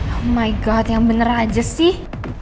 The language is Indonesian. oh my god yang bener aja sih